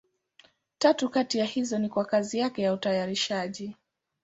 Tatu kati ya hizo ni kwa kazi yake ya utayarishaji.